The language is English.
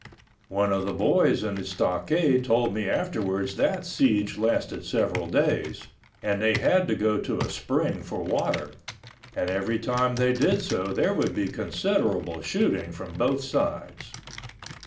One of the boys in the stockade told me afterwards that siege lasted several days, and they had to go to a spring for water, and every time they did so there would be considerable shooting from both sides.